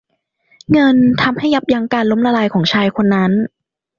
เงินทำให้ยับยั้งการล้มละลายของชายคนนั้น